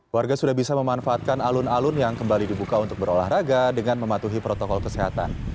warga sudah bisa memanfaatkan alun alun yang kembali dibuka untuk berolahraga dengan mematuhi protokol kesehatan